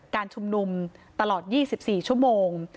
การชุมนุมตลอดยี่สิบสี่ชั่วโมง